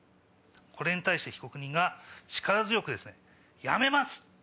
これに対して被告人が力強く「やめます！」